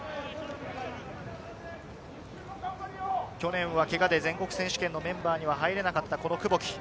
去年はけがで全国サッカー選手権のメンバーに入れなかった久保木。